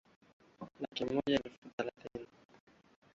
laki moja na elfu thelathini